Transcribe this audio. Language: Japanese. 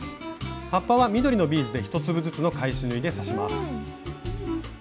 葉っぱは緑のビーズで１粒ずつの返し縫いで刺します。